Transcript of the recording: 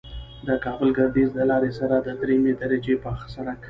د کابل گردیز د لارې سره د دریمې درجې پاخه سرک